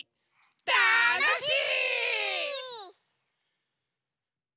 たのしい！